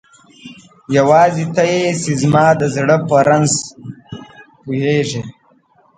یواځی ته یی چی زما د زړه په رنځ پوهیږی